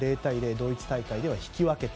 ドイツ大会では引き分けた。